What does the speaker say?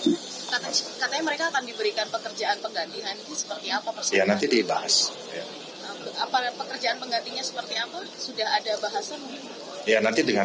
katanya mereka akan diberikan pekerjaan penggantihan ini seperti apa persoalan